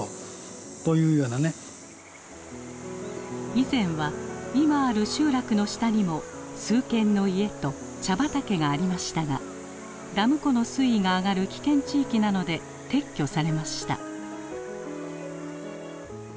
以前は今ある集落の下にも数軒の家と茶畑がありましたがダム湖の水位が上がる危険地域なので撤去されました。